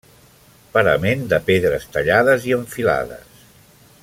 Parament de pedres tallades i enfilades.